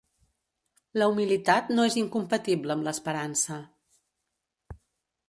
La humilitat no és incompatible amb l’esperança.